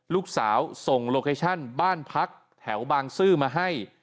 ลูกสาวส่งโลเคชั่นบ้านพักแถวบางซื่อมาให้